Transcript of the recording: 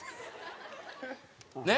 ねっ？